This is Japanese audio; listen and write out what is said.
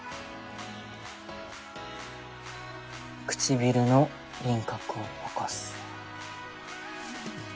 唇の輪郭をぼかす。